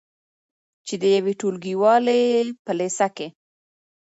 چې د یوې ټولګیوالې یې په لیسه کې